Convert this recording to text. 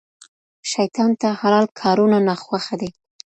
شيطان ته حلال کارونه ناخوښه دي.